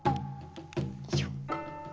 よいしょ。